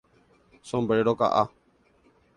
Sombrero ka'a.